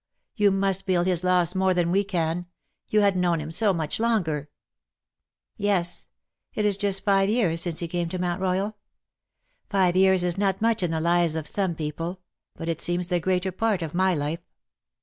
You must feel his loss more than we can — you had known him so much longer. ^^" Yes, it is just five years since he came to Mount E/Oyal. Five years is not much in the lives of some people ; but it seems the greater part of my life.